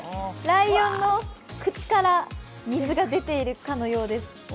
ライオンの口から水が出ているかのようです。